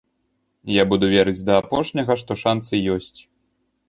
Я буду верыць да апошняга, што шанцы ёсць.